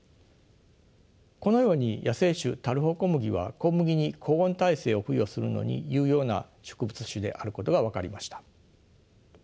このように野生種タルホコムギは小麦に高温耐性を付与するのに有用な植物種であることが分かりました。